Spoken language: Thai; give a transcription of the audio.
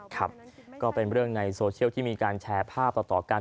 ครับก็เป็นเรื่องในโซเชียลที่มีการแชร์ภาพต่อกัน